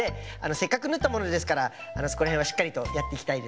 せっかく縫ったものですからそこら辺はしっかりとやっていきたいですね。